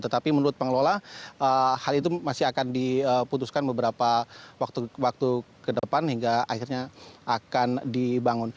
tetapi menurut pengelola hal itu masih akan diputuskan beberapa waktu ke depan hingga akhirnya akan dibangun